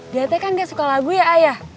dia teh kan gak suka lagu ya ayah